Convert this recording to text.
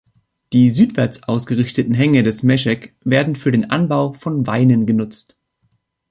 Die südwärts ausgerichteten Hänge des Mecsek werden für den Anbau von Weinen genutzt.